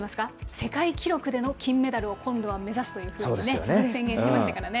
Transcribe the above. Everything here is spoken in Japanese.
世界記録での金メダルを今度は目指すというふうに宣言してましたからね。